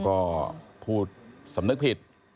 ก็พูดสำนึกผิด